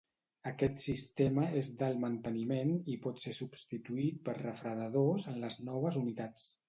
Aquest sistema és d'alt manteniment i pot ser substituït per refredadors en les noves unitats.